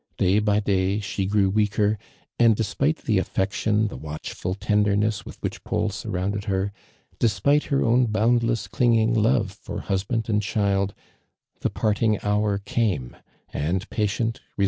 Day by day she grew weaker, and despite the art'ection, the watchful tenderness with which Paul surrounded her ; despite her own boundless, clinging love for hus band ajul child, the parting hour came^ AllMAXlJ DURANK. 17 'S He \ and patient, re.